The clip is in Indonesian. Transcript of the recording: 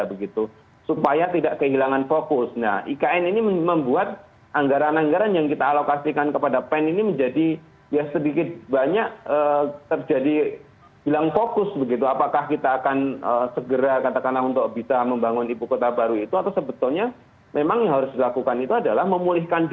cypa ya tidak kehilangan fokus nah ikn ini membuat anggaran anggaran yang kita alokasikan kepada fau truk ini menjadi ya sedikit banyak terjadi hilang fokus begitu apakah kita akan segera katakanlah untuk bisa membangun ibu kota barui